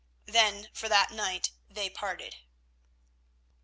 Then for that night they parted.